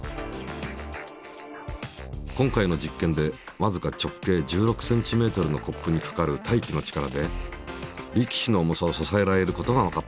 今回の実験でわずか直径１６ｃｍのコップにかかる大気の力で力士の重さを支えられることがわかった。